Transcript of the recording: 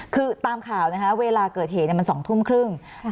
คือตามข่าวนะคะเวลาเกิดเหตุเนี่ยมันสองทุ่มครึ่งค่ะ